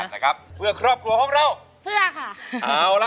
ไม่ใช้